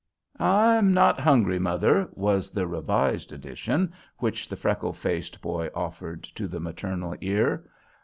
"I'm not hungry, mother," was the revised edition which the freckle faced boy offered to the maternal ear.